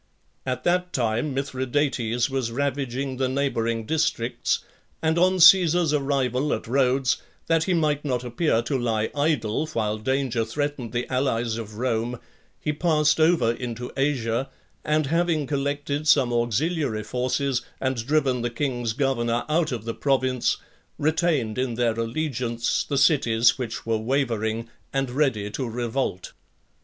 At that time Mithridates was ravaging the neighbouring districts, and on Caesar's arrival at Rhodes, that he might not appear to lie idle while danger threatened the allies of Rome, he passed over into Asia, and having collected some auxiliary forces, and driven the king's governor out of the province, retained in their allegiance the cities which were wavering, and ready to revolt.